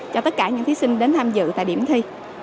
cho tất cả những thí sinh đến tham dự tại điểm thi